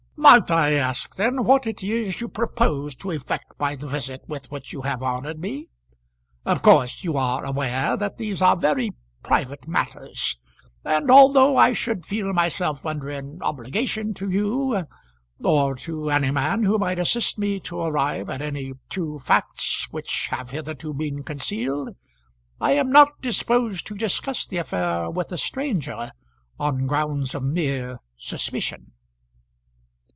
"Might I ask then what it is you propose to effect by the visit with which you have honoured me? Of course you are aware that these are very private matters; and although I should feel myself under an obligation to you, or to any man who might assist me to arrive at any true facts which have hitherto been concealed, I am not disposed to discuss the affair with a stranger on grounds of mere suspicion."